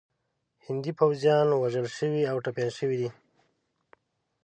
هندي پوځیان وژل شوي او ټپیان شوي دي.